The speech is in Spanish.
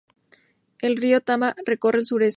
El río Tama recorre el suroeste.